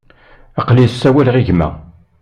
Aql-i la sawaleɣ i gma.